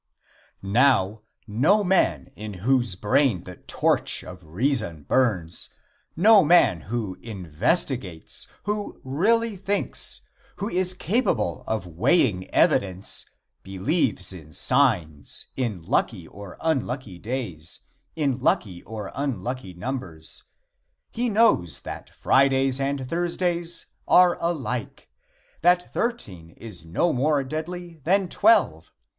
IV. Now no man in whose brain the torch of reason bums, no man who investigates, who really thinks, who is capable of weighing evidence, believes in signs, in lucky or unlucky days, in lucky or unlucky numbers. He knows that Fridays and Thursdays are alike; that thirteen is no more deadly than twelve.